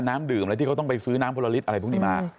น้ำดื่มอะไรที่เขาต้องไปซื้อน้ำพลลิตรอะไรพวกนี้มา